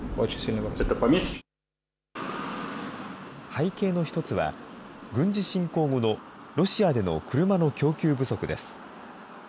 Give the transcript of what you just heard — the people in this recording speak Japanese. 背景の１つは、軍事侵攻後のロシアでの車の供給不足です。